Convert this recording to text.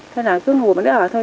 thế là cứ ngủ với đứa ở thôi